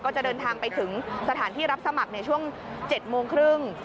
จะเดินทางไปถึงสถานที่รับสมัครในช่วง๗โมงครึ่ง